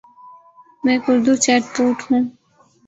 میں ایک Urdu chatbot ہوں۔